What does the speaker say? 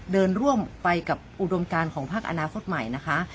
เดินร่วมไปกับอุดมการของพักอนาคตใหม่นะคะ